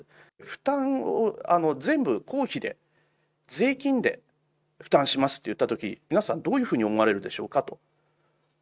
負担を全部公費で、税金で負担しますといったとき、皆さん、どういうふうに思われるでしょうかと。